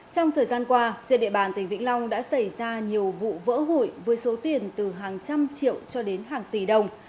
trong thời gian qua trên địa bàn tỉnh vĩnh long đã xảy ra nhiều vụ vỡ hụi với số tiền từ hàng trăm triệu cho đến hàng tỷ đồng